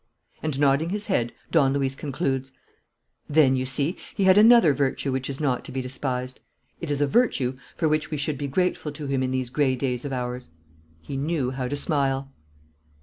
And, nodding his head, Don Luis concludes: "Then, you see, he had another virtue which is not to be despised. It is a virtue for which we should be grateful to him in these gray days of ours: he knew how to smile!"